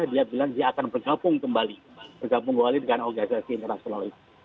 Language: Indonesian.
dia bilang dia akan bergabung kembali bergabung kembali dengan organisasi internasional itu